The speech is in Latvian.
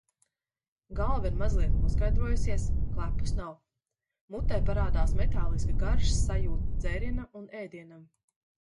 Galva ir mazliet noskaidrojusies, klepus nav. mutē parādās metāliska garšas sajūta dzērienam un ēdienam.